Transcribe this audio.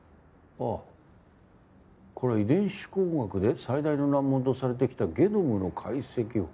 ああこれは遺伝子工学で最大の難問とされてきたゲノムの解析法。